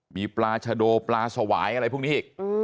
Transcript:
มีปลาชะโดปลาสวายอะไรพวกนี้อีก